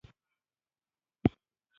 چین بهرنۍ پانګونه جذب کړه.